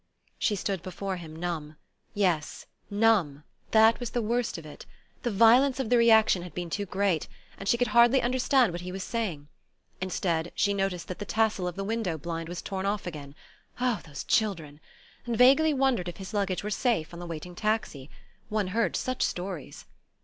She stood before him numb. Yes, numb: that was the worst of it! The violence of the reaction had been too great, and she could hardly understand what he was saying. Instead, she noticed that the tassel of the window blind was torn off again (oh, those children!), and vaguely wondered if his luggage were safe on the waiting taxi. One heard such stories....